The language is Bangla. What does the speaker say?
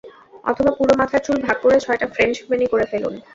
অথবা পুরো মাথার চুল ভাগ করে ছয়টা ফ্রেঞ্চ বেণি করে ফেলুন।